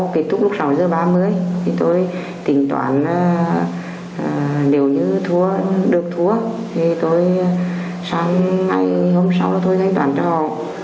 kết thúc lúc sáu giờ ba mươi thì tôi tỉnh toán nếu như được thua thì tôi sáng ngày hôm sáu thôi thanh toán cho họ